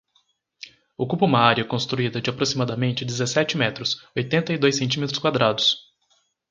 Ocupa uma área construída de aproximadamente dezessete metros, oitenta e dois centímetros quadrados.